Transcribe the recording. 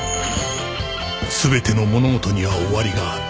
全ての物事には終わりがある